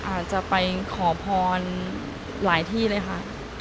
อาจจะไปขอพรหลายที่เลยค่ะ